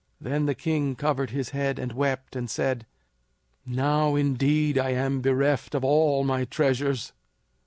Then the king covered his head and wept, and said: "Now, indeed, I am bereft of all my treasures!"